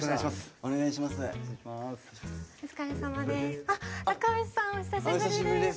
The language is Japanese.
お久しぶりです。